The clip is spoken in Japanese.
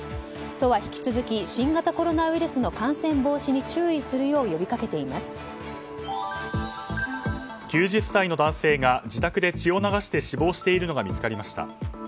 都は引き続き新型コロナウイルスの感染防止に９０歳の男性が自宅で血を流して死亡しているのが見つかりました。